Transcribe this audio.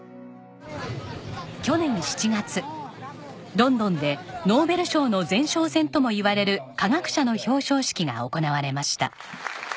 去年７月ロンドンでノーベル賞の前哨戦ともいわれる科学者の表彰式が行われました。